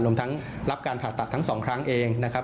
รวมทั้งรับการผ่าตัดทั้ง๒ครั้งเองนะครับ